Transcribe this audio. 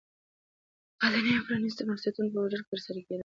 دا د نیمه پرانېستو بنسټونو په وجود کې ترسره کېده